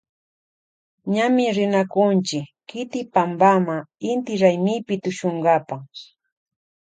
Ñami rinakunchi kiti pampama inti raymipi tushunkapa.